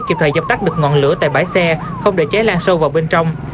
kịp thời dập tắt được ngọn lửa tại bãi xe không để cháy lan sâu vào bên trong